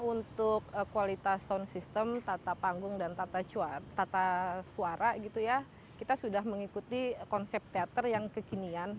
untuk kualitas sound system tata panggung dan tata suara kita sudah mengikuti konsep teater yang kekinian